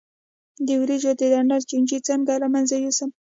د وریجو د ډنډر چینجی څنګه له منځه یوسم؟